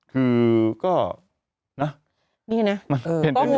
คือก็นะนี่นะมันเป็นไปไม่ได้